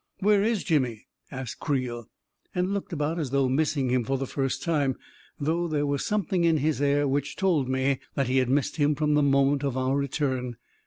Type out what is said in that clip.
" "Where is Jimmy?" asked Creel, and looked about as though missing him for the first time — though there was something in his air which told me that he had missed him from the moment of our return.